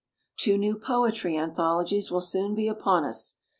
Two new poetry anthologies will soon be upon us.